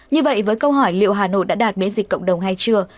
như vậy với câu hỏi liệu hà nội đã đạt miễn dịch cộng đồng hay chưa